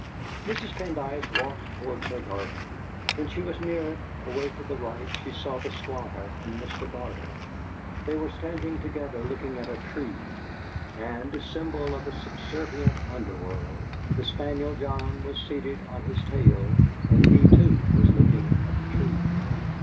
Mrs. Pendyce walked towards her garden. When she was near it, away to the right, she saw the Squire and Mr. Barter. They were standing together looking at a tree and symbol of a subservient under world the spaniel John was seated on his tail, and he, too, was looking at the tree.